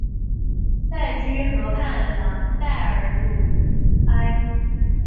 塞居河畔朗代尔鲁埃。